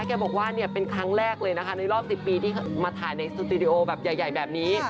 แกบอกว่าเนี่ยเป็นครั้งแรกเลยนะคะในรอบ๑๐ปีที่มาถ่ายในสตูดิโอแบบใหญ่แบบนี้